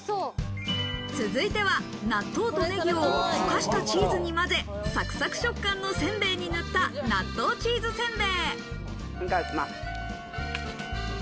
続いては、納豆とネギを溶かしたチーズに混ぜ、サクサク食感の煎餅に塗った、納豆チーズ煎餅。